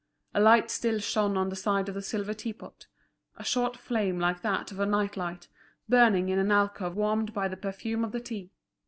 A light still shone on the side of the silver teapot, a short flame like that of a night light, burning in an alcove warmed by the perfume of the tea.